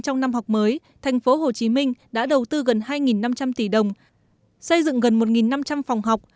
trong năm học mới thành phố hồ chí minh đã đầu tư gần hai năm trăm linh tỷ đồng xây dựng gần một năm trăm linh phòng học